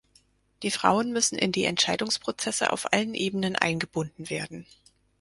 Die Frauen müssen in die Entscheidungsprozesse auf allen Ebenen eingebunden werden.